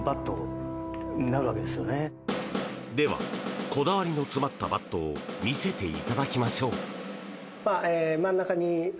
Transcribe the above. ではこだわりの詰まったバットを見せていただきましょう！